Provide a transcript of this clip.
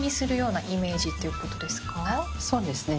そうですね。